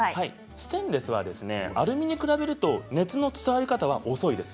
ステンレスはアルミに比べると熱の伝わり方は遅いです。